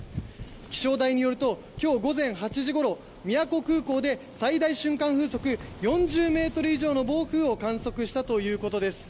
「気象台によると今日、午前８時頃に宮古空港で最大瞬間風速４０ｍ以上の暴風を観測したということです」